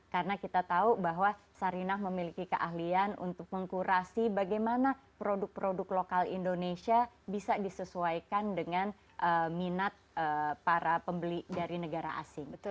karena kita tahu bahwa sarinah memiliki keahlian untuk mengkurasi bagaimana produk produk lokal indonesia bisa disesuaikan dengan minat para umkm